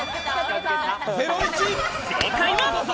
正解は。